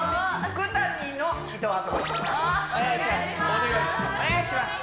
お願いします。